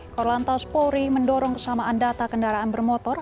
korlantas polri mendorong kesamaan data kendaraan bermotor